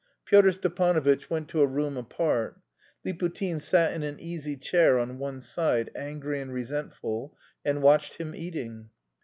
Pyotr Stepanovitch went to a room apart. Liputin sat in an easy chair on one side, angry and resentful, and watched him eating.